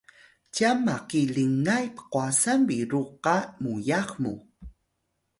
cyan maki lingay pqwasan biru qa muyax mu